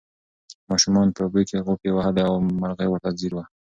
ماشومانو په اوبو کې غوپې وهلې او مرغۍ ورته ځیر وه.